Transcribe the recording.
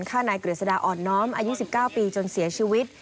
ฆ่านายกฤษฎาอ่อนน้อมอายุ๑๙ปีจนเสียชีวิต